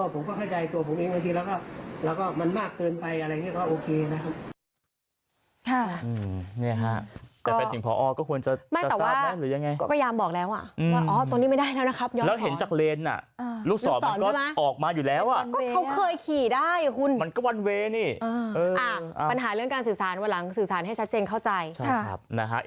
เพราะฉะนั้นผมก็เข้าใจตัวผมเองและมันมากเกินไปก็โอเคนะครับ